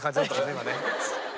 今ね。